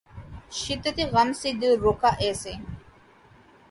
شدتِ غم سے دل رکا ایسے